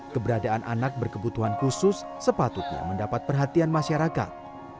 seharusnya sepatutnya mendapat perhatian masyarakat